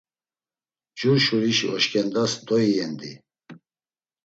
Jur şurişi oşǩendas doiyendi.